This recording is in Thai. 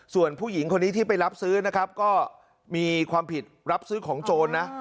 ส่วนผู้หญิงคนนี้ที่ไปรับซื้อนะครับก็มีความผิดรับซื้อของโจรนะ